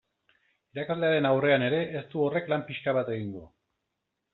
Irakaslearen aurrean ere ez du horrek lan pixka bat egingo.